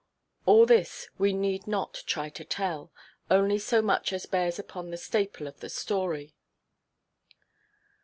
All this we need not try to tell, only so much as bears upon the staple of the story.